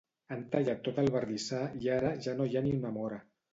Han tallat tot el bardissar i ara ja no hi ha ni una mora